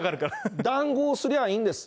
談合すりゃいいんです。